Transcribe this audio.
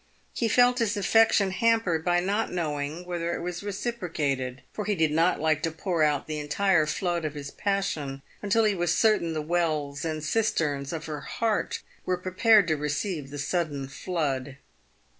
He felt his affection hampered by not knowing whether it was reciprocated, for he did not like to pour out the entire flood of his passion until' he was certain the wells and cisterns of her heart were prepared to receive the sudden flood.